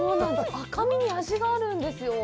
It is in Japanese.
赤身が味があるんですよ。